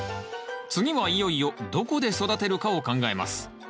次はいよいよどこで育てるかを考えます。